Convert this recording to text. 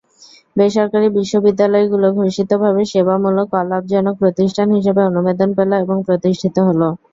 বেসরকারি বিশ্ববিদ্যালয়গুলো ঘোষিতভাবে সেবামূলক, অলাভজনক প্রতিষ্ঠান হিসেবে অনুমোদন পেল এবং প্রতিষ্ঠিত হলো।